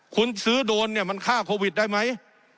คุณซื้อโดนเนี่ยมันฆ่าโควิดได้ไหม